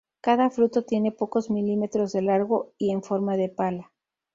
Cada fruto tiene pocos milímetros de largo y en forma de pala.